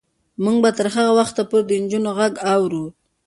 موږ به تر هغه وخته پورې د نجونو غږ اورو.